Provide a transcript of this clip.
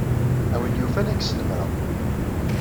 A win yufan ad k-snemmreɣ.